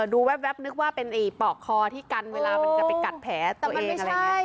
ดูแว๊บนึกว่าเป็นปอกคอที่กันเวลามันจะไปกัดแผลตัวเองอะไรอย่างนี้